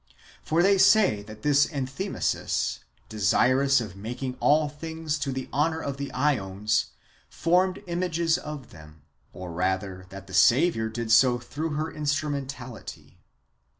For they say that this Enthymesis, desirous of making all things to the honour of the iEons, formed images of them, or rather that the Saviour^ did so through her instrumentality.